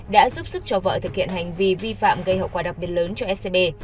đã giúp sức cho vợ thực hiện hành vi vi phạm gây hậu quả đặc biệt lớn cho scb